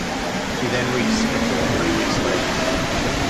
She then reached Singapore three weeks later.